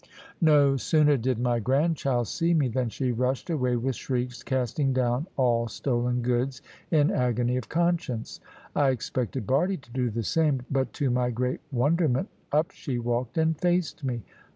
No sooner did my grandchild see me, than she rushed away with shrieks, casting down all stolen goods in agony of conscience. I expected Bardie to do the same; but to my great wonderment up she walked and faced me.